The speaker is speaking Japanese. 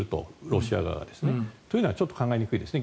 ロシア側がですね。というのはちょっと考えにくいですね。